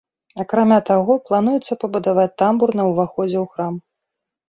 Акрамя таго, плануецца пабудаваць тамбур на ўваходзе ў храм.